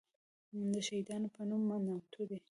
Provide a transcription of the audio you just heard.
دشهیدانو په نوم نامتو دی.